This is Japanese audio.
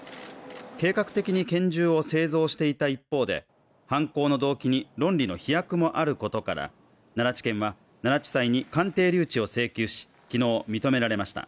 計画的に拳銃を製造していた一方で、犯行の動機に論理の飛躍もあることから奈良地検は奈良地裁に鑑定留置を請求し、昨日、認められました。